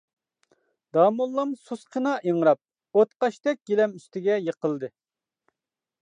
داموللام سۇسقىنا ئىڭراپ، ئوتقاشتەك گىلەم ئۈستىگە يىقىلدى.